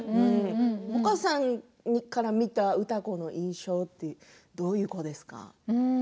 萌歌さんから見た歌子さんの印象ってどういう子ですか？